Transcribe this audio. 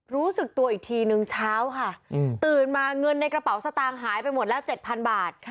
รู้สึกตัวอีกทีนึงเช้าค่ะตื่นมาเงินในกระเป๋าสตางค์หายไปหมดแล้ว๗๐๐บาท